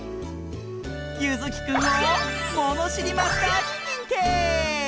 ゆずきくんをものしりマスターににんてい！